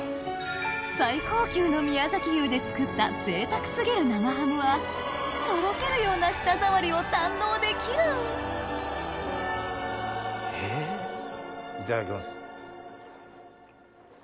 最高級の宮崎牛で作った贅沢過ぎる生ハムはとろけるような舌触りを堪能できるえっいただきます。